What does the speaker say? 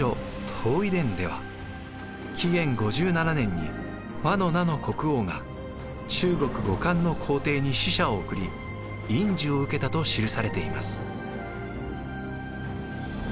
東夷伝では紀元５７年に倭の奴の国王が中国・後漢の皇帝に使者を送り印綬を受けたと記されています。